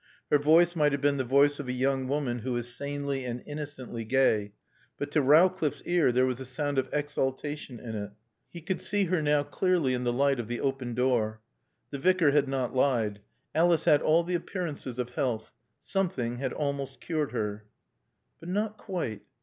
Her voice might have been the voice of a young woman who is sanely and innocently gay, but to Rowcliffe's ear there was a sound of exaltation in it. He could see her now clearly in the light of the open door. The Vicar had not lied. Alice had all the appearances of health. Something had almost cured her. But not quite.